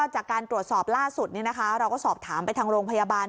จากการตรวจสอบล่าสุดเราก็สอบถามไปทางโรงพยาบาล